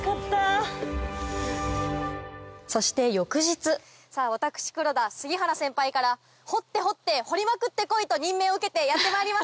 そして翌日さぁ私黒田杉原先輩から掘って掘って掘りまくって来いと任命を受けてやってまいりました。